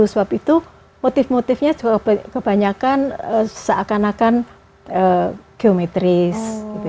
sebab itu motif motifnya juga kebanyakan seakan akan geometris